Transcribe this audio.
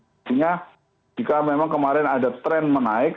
artinya jika memang kemarin ada tren menaik